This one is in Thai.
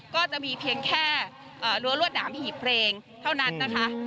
ก็จะมีเพียงแค่รั้วรวดหนามหีบเพลงเท่านั้นนะคะ